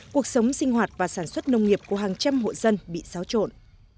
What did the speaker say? cuộc sống sinh hoạt và sản xuất nông nghiệp của hàng trăm hộ dân bị xáo trộn